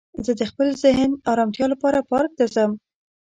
زه د خپل ذهن ارامتیا لپاره پارک ته ځم